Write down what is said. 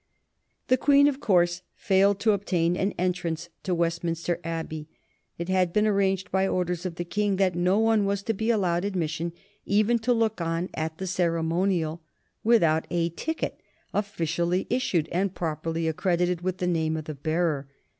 The Queen, of course, failed to obtain an entrance to Westminster Abbey. It had been arranged by orders of the King that no one was to be allowed admission, even to look on at the ceremonial, without a ticket officially issued and properly accredited with the name of the bearer.